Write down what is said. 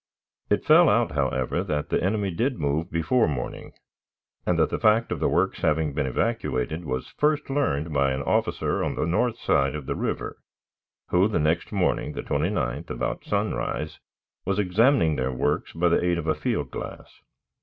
It fell out, however, that the enemy did move before morning, and that the fact of the works having been evacuated was first learned by an officer on the north side of the river, who, the next morning, the 29th, about sunrise, was examining their works by the aid of a field glass.